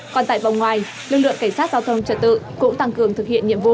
còn tại vòng ngoài lực lượng cảnh sát giao thông trật tự cũng tăng cường thực hiện nhiệm vụ